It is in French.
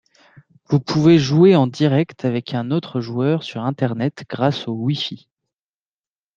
Vous pouvez jouer en direct avec un autre joueur sur internet grâce au Wi-Fi.